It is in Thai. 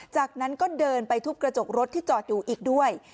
จากนั้นก็เดินไปทุบกระจกรถที่จอดอยู่อีกด้วย